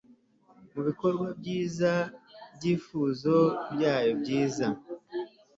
mubikorwa byiza byifuzo byayo byiza